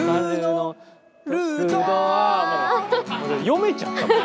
読めちゃったもん。